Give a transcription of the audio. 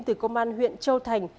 từ công an huyện châu thành